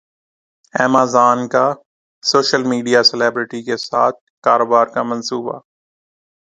Amazon کا social media celebrity کے ساتھ کاروبار کا منصوبہ